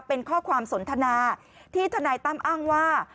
เป็นข้อความสนทนาที่ทนายตั้มอ้างว่า